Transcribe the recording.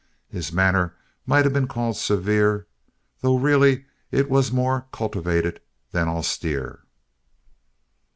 His manner might have been called severe, though really it was more cultivated than austere.